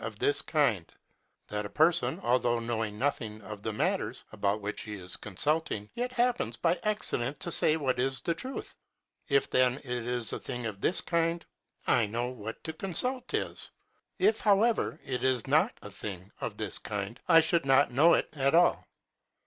101 of this kind, that a person, although knowing nothing of the matters, about which he is consulting, yet happens by accident to say what is the truth. If then it is a thing of this kind, I know what to consult is ; if however it is not a thing of this kind, I should not know it at all.